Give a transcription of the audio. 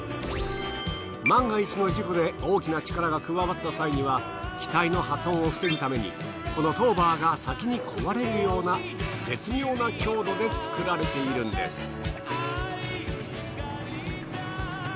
万が一の事故で大きな力が加わった際には機体の破損を防ぐためにこのトーバーが先に壊れるような絶妙な強度で作られているんです。